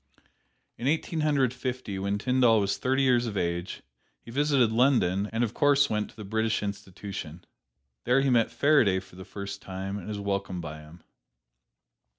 In Eighteen Hundred Fifty, when Tyndall was thirty years of age, he visited London, and of course went to the British Institution. There he met Faraday for the first time and was welcomed by him.